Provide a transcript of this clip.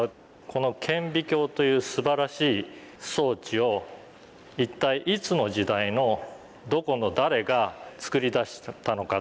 この顕微鏡というすばらしい装置を一体いつの時代のどこの誰が作り出したのか。